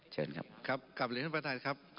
จริงเดี๋ยวลากไหมครับ